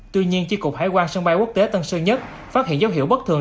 tuy nhiên chiếc cục hải quan sân bay quốc tế tân sơn nhất phát hiện dấu hiệu bất thường